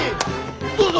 どうぞ！